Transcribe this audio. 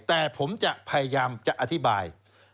แต่ผมจะพยายามจะอธิบาย